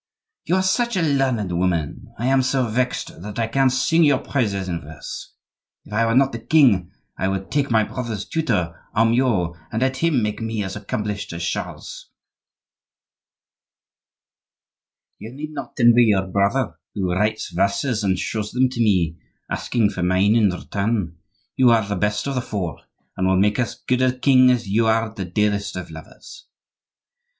"You are such a learned woman! I am so vexed that I can't sing your praises in verse. If I were not the king, I would take my brother's tutor, Amyot, and let him make me as accomplished as Charles." "You need not envy your brother, who writes verses and shows them to me, asking for mine in return. You are the best of the four, and will make as good a king as you are the dearest of lovers.